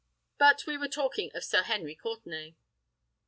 But we were talking of Sir Henry Courtenay."